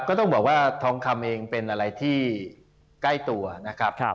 ก็ต้องบอกว่าทองคำเองเป็นอะไรที่ใกล้ตัวนะครับ